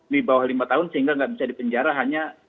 di bawah lima tahun sehingga nggak bisa dipenjara hanya